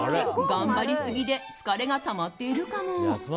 頑張りすぎで疲れがたまっているかも。